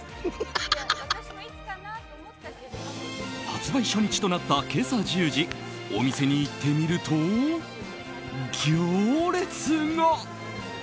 発売初日となった今朝１０時お店に行ってみると行列が！